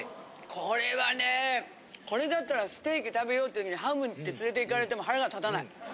これはねぇこれだったらステーキ食べようっていう時にハムって連れて行かれても腹が立たない。